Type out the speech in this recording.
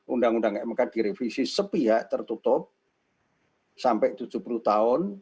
undang undang mk direvisi sepihak tertutup sampai tujuh puluh tahun